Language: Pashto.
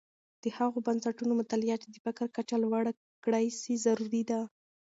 د هغه بنسټونو مطالعه چې د فقر کچه لوړه کړې سي، ضروری ده.